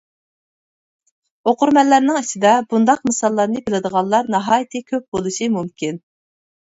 ئوقۇرمەنلەرنىڭ ئىچىدە بۇنداق مىساللارنى بىلىدىغانلار ناھايىتى كۆپ بولۇشى مۇمكىن.